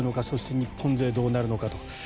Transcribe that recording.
そして、日本勢どうなるのかと。